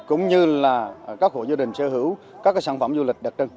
cũng như là các hội gia đình sở hữu các cái sản phẩm du lịch đặc trưng